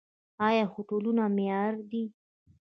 آیا هوټلونه معیاري دي؟